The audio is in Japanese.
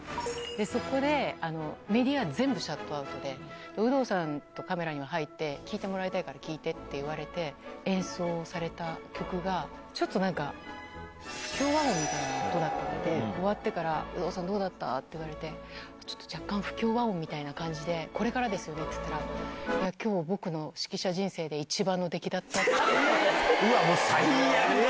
そこでメディア全部シャットアウトで、有働さんとカメラには入って、聴いてもらいたいから聴いてって言われて、演奏された曲が、ちょっとなんか、不協和音みたいな音だったので、終わってから、有働さんどうだった？って言われて、ちょっと若干、不協和音みたいだったって感じで、これからですよねって言ったら、きょうは僕の指揮者人生で一番の出来だったって。